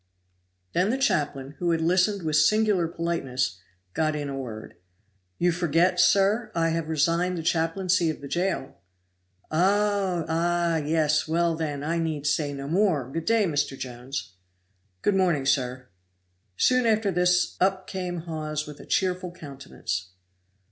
Then the chaplain, who had listened with singular politeness, got in a word. "You forget, sir, I have resigned the chaplaincy of the jail?" "Oh! ah! yes! well, then, I need say no more; good day, Mr. Jones." "Good morning, sir." Soon after this up came Hawes with a cheerful countenance.